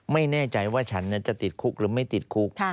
ไม่แน่ใจว่าฉันจะติดคุกหรือไม่ติดคุก